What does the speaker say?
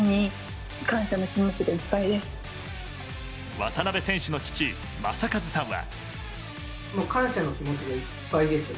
渡辺選手の父・雅和さんは。